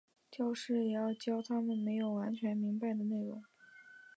教师也要教他们没有完全明白的内容。